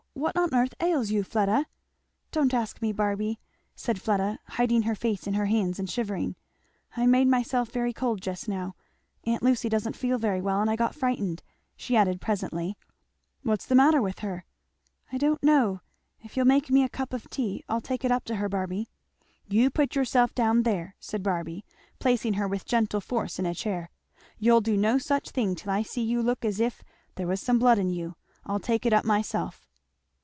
What on earth ails you, Fleda?" "Don't ask me, Barby," said Fleda hiding her face in her hands and shivering, "I made myself very cold just now Aunt Lucy doesn't feel very well and I got frightened," she added presently. "What's the matter with her?" "I don't know if you'll make me a cup of tea I'll take it up to her, Barby." "You put yourself down there," said Barby placing her with gentle force in a chair, "you'll do no such a thing till I see you look as if there was some blood in you. I'll take it up myself."